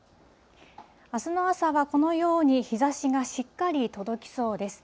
あすの朝は、このように日ざしがしっかり届きそうです。